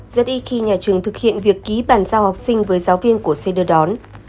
rất ít khi nhà trường thực hiện việc ký bàn giao học sinh với giáo viên của xe đưa đón